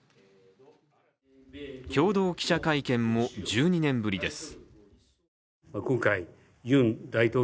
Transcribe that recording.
共同記者会見も１２年ぶりです。